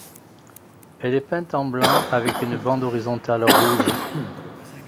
Elle est peinte en blanc avec une bande horizontale rouge.